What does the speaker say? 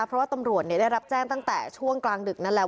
เพราะว่าตำรวจได้รับแจ้งตั้งแต่ช่วงกลางดึกนั่นแหละ